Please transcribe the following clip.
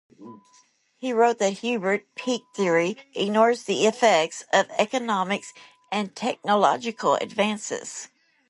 He wrote that Hubbert peak theory ignores the effects of economics and technological advances.